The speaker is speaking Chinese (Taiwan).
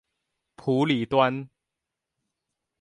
埔里端